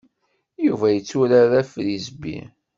Yuba yetturar afrizbi.